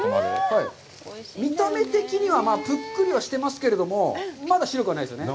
見た目的にはぷっくりはしてますけれども、まだ白くはないですよね。